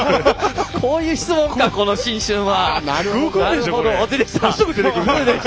こういう質問かこの新春は。